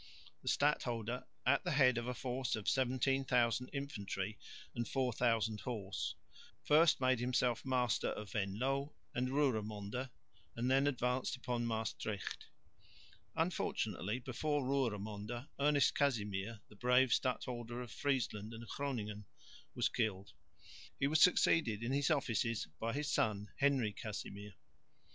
The stadholder, at the head of a force of 17,000 infantry and 4000 horse, first made himself master of Venloo and Roeremonde and then advanced upon Maestricht. Unfortunately before Roeremonde, Ernest Casimir, the brave stadholder of Friesland and Groningen, was killed. He was succeeded in his offices by his son, Henry Casimir.